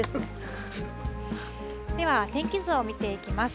では天気図を見ていきます。